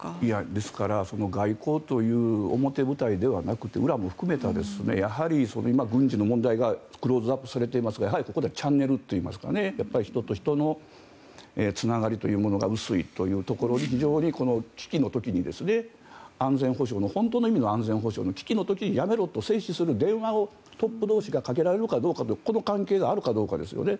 ですから外交という表舞台ではなくて裏も含めた今、軍事の問題がクローズアップされていますがやはりここではチャンネルといいますか人と人のつながりというものが薄いというところ非常に危機の時に安全保障の本当の意味の安全保障の危機の時にやめろと制止する電話をトップ同士がかけられるかどうかというこの関係があるかどうかですね。